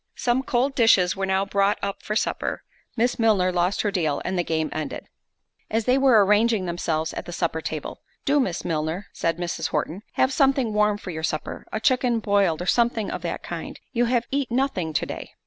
Some cold dishes were now brought up for supper—Miss Milner lost her deal, and the game ended. As they were arranging themselves at the supper table, "Do, Miss Milner," said Mrs. Horton, "have something warm for your supper; a chicken boiled, or something of that kind; you have eat nothing to day."